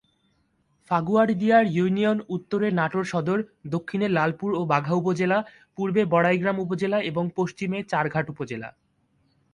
Faguardiar union উত্তরে-নাটোর সদর, দক্ষিণে-লালপুর ও বাঘা উপজেলা, পূর্বে বড়াইগ্রাম উপজেলা এবং পশ্চিমে চারঘাট উপজেলা।